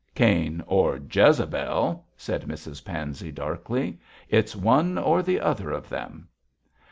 'Cain or Jezebel,' said Mrs Pansey, darkly, 'it's one or the other of them.'